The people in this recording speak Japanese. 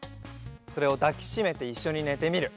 それをだきしめていっしょにねてみる。